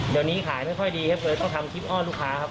เดี๋ยวนี้ขายไม่ค่อยดีครับเลยต้องทำคลิปอ้อนลูกค้าครับ